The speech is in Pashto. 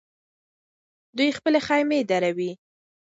دوی خپلې خېمې دروي.